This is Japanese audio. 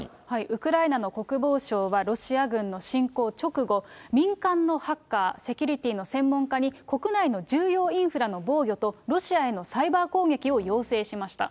ウクライナの国防省は、ロシア軍の侵攻直後、民間のハッカー、セキュリティーの専門家に、国内の重要インフラの防御とロシアへのサイバー攻撃を要請しました。